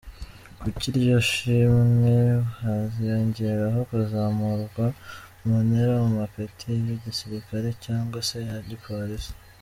Kuri iryo shimwe haziyongeraho kuzamurwa muntera mumapeti ya gisirikari cyangwa se ya gipolisi.